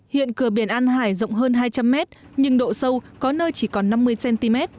hiện cửa biển an hải rộng hơn hai trăm linh mét nhưng độ sâu có nơi chỉ còn năm mươi cm